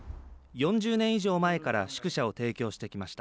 ４０年以上前から宿舎を提供してきました。